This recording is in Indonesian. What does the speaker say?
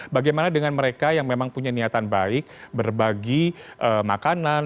bagaimana dengan mereka yang memang punya niatan baik berbagi makanan